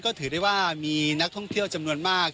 ก็ถือได้ว่ามีนักท่องเที่ยวจำนวนมาก